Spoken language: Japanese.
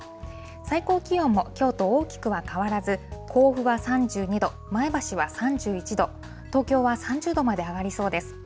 最高気温もきょうと大きくは変わらず、甲府は３２度、前橋は３１度、東京は３０度まで上がりそうです。